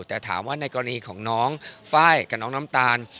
แต่ถามว่าในกรณีของน้องไฟล์กับน้องน้ำตาล